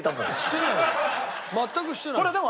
全くしてないよ。